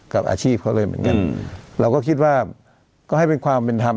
กับอาชีพเขาเลยเหมือนกันเราก็คิดว่าก็ให้เป็นความเป็นธรรม